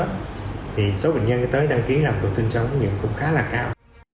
thì số bệnh nhân tới đăng ký làm thủ tinh cho ống nghiệm cũng khá là cao